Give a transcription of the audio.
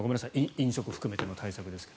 飲食含めての対策ですが。